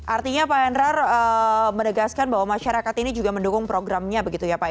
artinya pak henrar menegaskan bahwa masyarakat ini juga mendukung programnya begitu ya pak